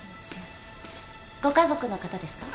ご家族の方ですか？